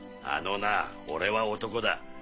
あのな俺は男だ。